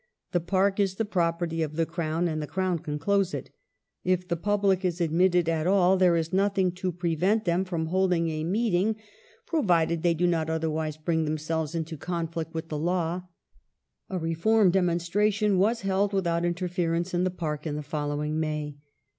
The Park is the property of the Crown, and the Crown can close it. If the public are admitted at all, there is nothing to prevent them from holding a " meeting," pro 348 ''THE LEAP IN THE DARK" [1865 vided they do not otherwise bring themselves into conflict with the law. A Reform Demonstration was held without interference in the Park in the following May.